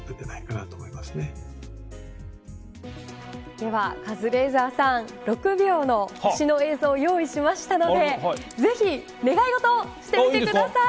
ではカズレーザーさん６秒の星の映像を用意しましたのでぜひ願い事をしてみてください。